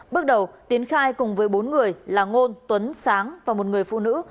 bước đầu tiến khai cùng với bốn người là ngôn tuấn sáng và một người phụ nữ